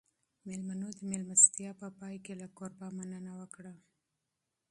مېلمنو د مېلمستیا په پای کې له کوربه مننه وکړه.